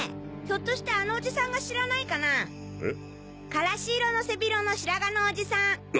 からし色の背広の白髪のおじさん。